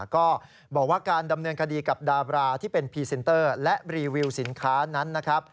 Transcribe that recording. ก็บอกว่าการดำเนินคดีกับดาบราที่เป็นพรีเซนเตอร์และรีวิวสินค้านั้นนะครับ